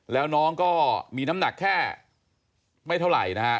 แล้วน้องก็มีน้ำหนักแค่ไม่เท่าไหร่นะฮะ